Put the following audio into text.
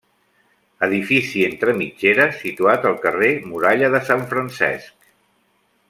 Edifici entre mitgeres situat al carrer Muralla de Sant Francesc.